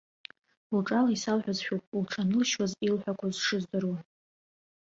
Лҿала исалҳәазшәоуп, лҽанылшьуаз илҳәақәоз шыздыруа.